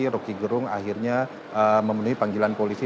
roky gerung akhirnya memenuhi panggilan polisi